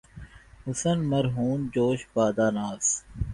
حسن مرہون جوش بادۂ ناز